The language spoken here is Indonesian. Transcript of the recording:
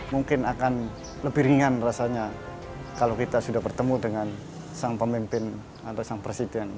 mungkin akan lebih ringan rasanya kalau kita sudah bertemu dengan sang pemimpin atau sang presiden